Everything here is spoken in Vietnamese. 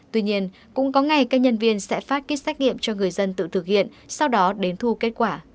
tuy nhiên cũng có ngày các nhân viên sẽ phát kýt xét nghiệm cho người dân tự thực hiện sau đó đến thu kết quả